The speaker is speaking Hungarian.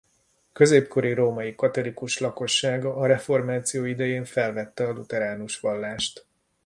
Középkori római katolikus lakossága a reformáció idején felvette a lutheránus vallást.